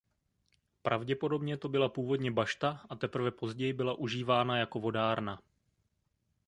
Pravděpodobně to byla původně bašta a teprve později byla užívána jako vodárna.